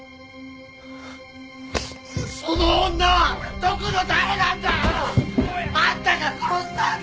その女はどこの誰なんだよ！あんたが殺したんだ！